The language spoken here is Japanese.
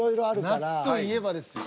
夏といえばですよ。